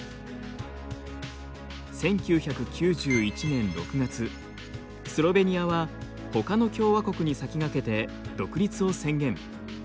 １９９１年６月スロベニアはほかの共和国に先駆けて独立を宣言。